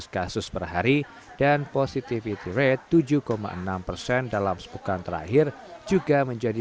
dua ratus kasus perhari dan positivity rate tujuh enam persen dalam sepekan terakhir juga menjadi